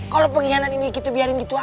kalau pengkhianat ini kita biarin gitu aja